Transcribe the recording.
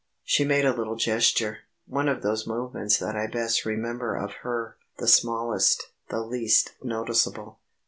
She made a little gesture; one of those movements that I best remember of her; the smallest, the least noticeable.